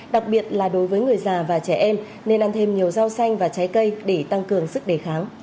đặc biệt là đối với người già và trẻ em nên ăn thêm nhiều rau xanh và trái cây để tăng cường sức đề kháng